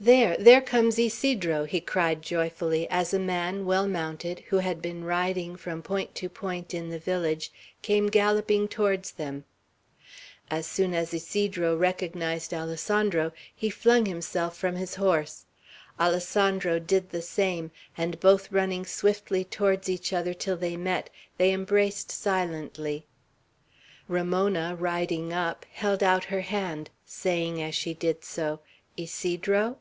There, there comes Ysidro!" he cried joyfully, as a man, well mounted, who had been riding from point to point in the village, came galloping towards them. As soon as Ysidro recognized Alessandro, he flung himself from his horse. Alessandro did the same, and both running swiftly towards each other till they met, they embraced silently. Ramona, riding up, held out her hand, saying, as she did so, "Ysidro?"